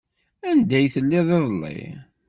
Anda ay telliḍ iḍelli?